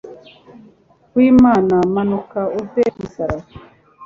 w imana manuka uve ku musaraba